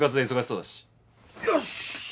よし。